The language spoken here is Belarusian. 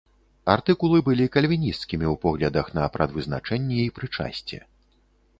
Артыкулы былі кальвінісцкімі ў поглядах на прадвызначэнне і прычасце.